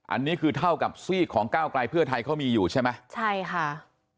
อันนี้คือเท่ากับซีกของก้าวไกลเพื่อไทยเขามีอยู่ใช่ไหมใช่ค่ะ